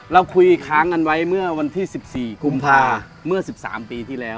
เราคุยค้างกันไว้เมื่อวันที่๑๔กุมภาเมื่อ๑๓ปีที่แล้ว